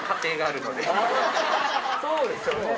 あそうですよね。